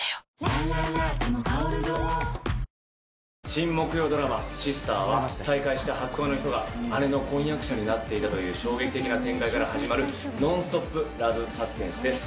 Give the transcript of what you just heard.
新木曜ドラマ、Ｓｉｓｔｅｒは再会した初恋の人が、姉の婚約者になっていたという衝撃的な展開から始まるノンストップラブサスペンスです。